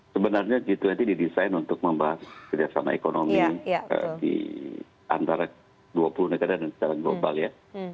sebenarnya g dua puluh didesain untuk membahas kerjasama ekonomi di antara dua puluh negara dan secara global ya